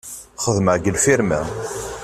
Xeddmeɣ deg lfirma.